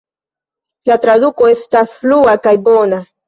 La traduko estas flua kaj bona.